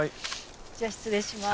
じゃあ失礼します。